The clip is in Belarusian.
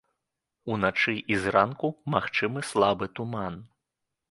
Уначы і зранку магчымы слабы туман.